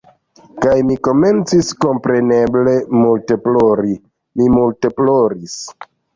Kaj mi komencis kompreneble multe plori. Mi multe ploris.